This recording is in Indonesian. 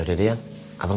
sudah pulang bang